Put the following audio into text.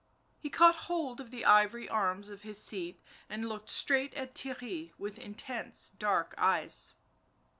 He caught hold of the ivory arms of his seat and looked straight at Theirry with intense, dark eyes.